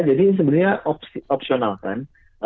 jadi sebenarnya opsional kan